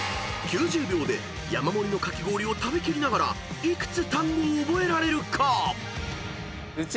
［９０秒で山盛りのかき氷を食べ切りながら幾つ単語を覚えられるか］